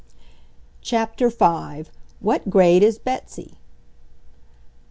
CHAPTER V WHAT GRADE IS BETSY?